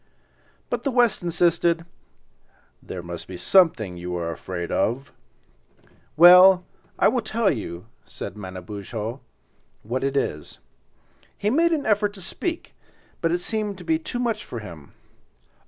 But the West insisted—"There must be something you are afraid of." "Well, I will tell you," said Manabozho, "what it is." He made an effort to speak, but it seemed to be too much for him.